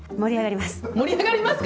盛り上がります。